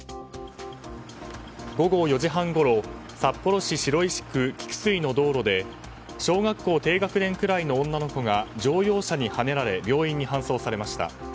午後４時半ごろ札幌市白石区菊水の道路で小学校低学年くらいの女の子が乗用車にはねられ病院に搬送されました。